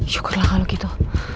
syukurlah kalau gitu